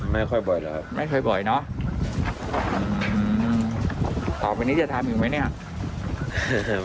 ไม่ค่อยบ่อยเนอะต่อไปนิดเดี๋ยวถามอีกไหมเนี่ย